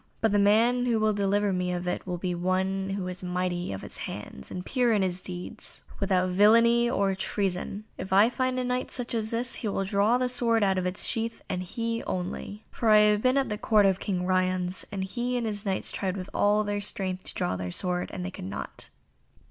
But the man who will deliver me of it must be one who is mighty of his hands, and pure in his deeds, without villainy, or treason. If I find a Knight such as this, he will draw this sword out of its sheath, and he only. For I have been at the Court of King Ryons, and he and his Knights tried with all their strength to draw the sword and they could not."